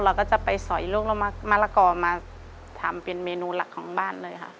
เราก็จะไปสอยลูกมะละกอมาทำเป็นเมนูหลักของบ้านเลยค่ะ